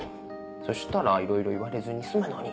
そしたらいろいろ言われずに済むのに。